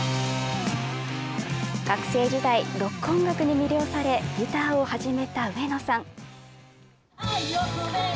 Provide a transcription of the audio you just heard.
学生時代、ロック音楽に魅了されギターを始めた上野さん。